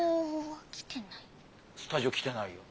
スタジオ来てないよ。